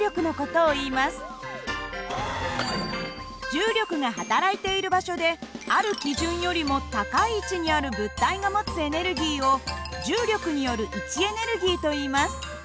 重力が働いている場所である基準よりも高い位置にある物体が持つエネルギーを重力による位置エネルギーといいます。